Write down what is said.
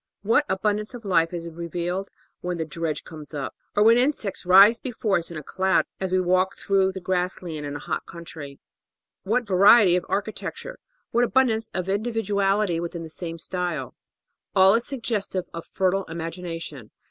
What abundance of life is revealed when the dredge comes up, or when the insects rise before us in a cloud as we walk through the grass land in a hot country! What variety of architecture, what abundance of individuality, within the same style! All is suggestive of fertile imagination.